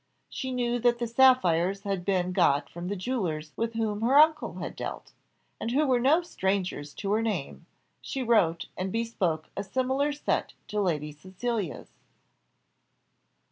She knew that the sapphires had been got from the jewellers with whom her uncle had dealt, and who were no strangers to her name; she wrote, and bespoke a similar set to Lady Cecilia's.